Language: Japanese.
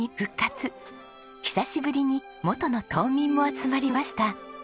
久しぶりに元の島民も集まりました。